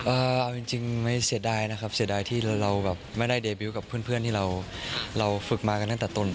เอาจริงจริงไม่เสียดายนะครับเสียดายที่เราแบบไม่ได้เดบิวต์กับเพื่อนที่เราเราฝึกมากันตั้งแต่ต้น